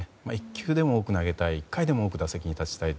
１球でも多く投げたい１回でも多く打席に立ちたい。